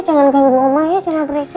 jangan ganggu oma ya